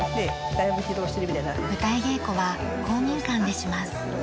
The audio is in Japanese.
舞台稽古は公民館でします。